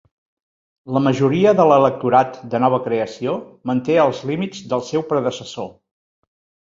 La majoria de l"electorat de nova creació manté els límits del seu predecessor.